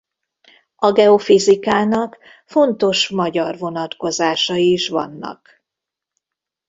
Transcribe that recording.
A geofizikának fontos magyar vonatkozásai is vannak.